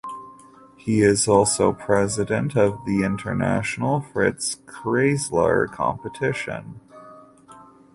He is also president of the International Fritz Kreisler Competition.